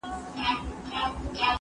کېدای سي خبري ګڼه وي،